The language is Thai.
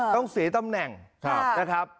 ต้องเสียตำแหน่งนะครับ